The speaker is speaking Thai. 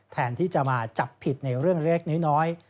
แทนที่จะมาจับผิดในเรื่องเล็กน้อย